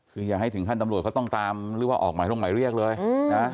คืออยากให้ถึงข้าราชการเขาต้องตามหรือว่าออกใหม่ลงใหม่เรียกเลยนะ